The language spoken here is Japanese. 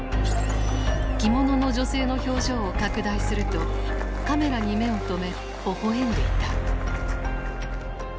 着物の女性の表情を拡大するとカメラに目を止めほほ笑んでいた。